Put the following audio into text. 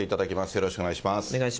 よろしくお願いします。